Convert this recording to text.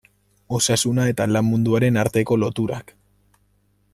Osasuna eta lan munduaren arteko loturak.